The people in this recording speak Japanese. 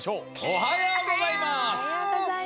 おはようございます。